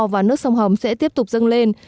và nước sông hồng sẽ tiếp tục dâng lên